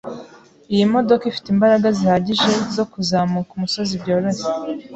Iyi modoka ifite imbaraga zihagije zo kuzamuka umusozi byoroshye.